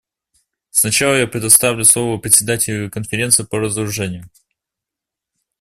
Сначала я предоставлю слово Председателю Конференции по разоружению.